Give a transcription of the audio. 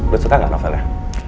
lo suka gak novelnya